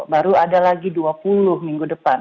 baru ada lagi dua puluh minggu depan